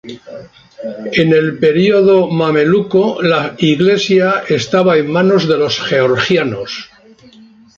En el periodo mameluco, la iglesia estaba en manos de los georgianos.